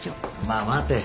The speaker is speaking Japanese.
まあ待て。